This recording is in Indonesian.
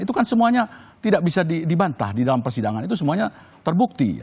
itu kan semuanya tidak bisa dibantah di dalam persidangan itu semuanya terbukti